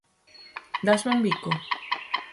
Dásme un bico?